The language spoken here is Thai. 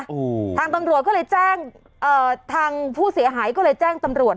อย่างเร็วนะทางตำรวจก็เลยแจ้งทางผู้เสียหายก็เลยแจ้งตำรวจ